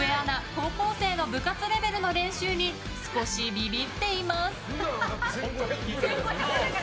高校生の部活レベルの練習に少しビビっています。